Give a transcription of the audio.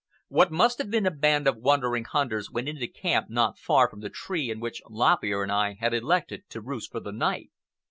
What must have been a band of wandering hunters went into camp not far from the tree in which Lop Ear and I had elected to roost for the night.